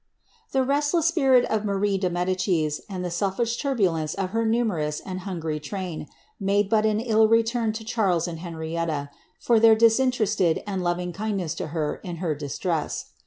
* The restless spirit of Marie de Medicis, and the selfish turbulence (f her numerous and hungry train, made but an ill return to Charles and Henrietta, for their disinterested and loving kindness to her in her dis tress.